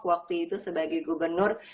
waktu itu sebagai gubernur